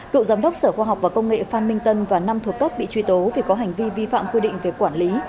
cựu giám đốc sở khoa học và công nghệ phan minh tân và năm thuộc cấp bị truy tố vì có hành vi vi phạm quy định về quản lý